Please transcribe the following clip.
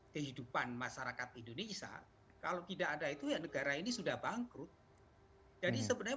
kehidupan masyarakat indonesia kalau tidak ada itu ya negara ini sudah bangkrut jadi sebenarnya